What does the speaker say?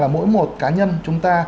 là mỗi một cá nhân chúng ta